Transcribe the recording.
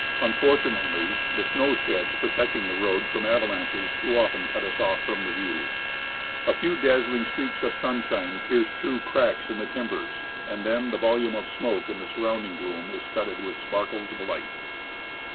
Unfortunately, the snow sheds protecting the road from avalanches too often cut us off from the view. A few dazzling streaks of sun 7 CROSSING THE SIERRA NEVADA. THE ASCENT OF MOUNT ST. ELIAS shine pierce through cracks in the timbers, and then the volume of smoke in the surrounding gloom is studded with sparkles of light.